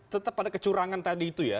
tetap ada kecurangan tadi itu ya